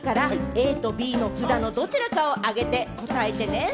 ＡとＢの札のどちらかをあげて答えてね。